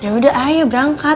yaudah ayo berangkat